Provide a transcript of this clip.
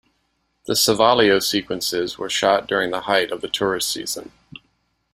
The Sevalio sequences were shot during the height of the tourist season.